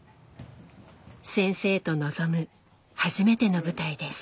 先生と臨む初めての舞台です。